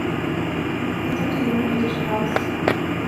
Vi tar tio minuters paus!